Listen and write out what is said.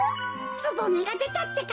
つぼみがでたってか。